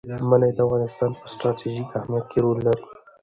منی د افغانستان په ستراتیژیک اهمیت کې رول لري.